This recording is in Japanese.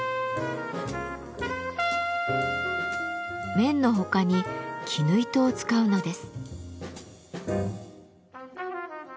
綿の他に絹糸を使うのです。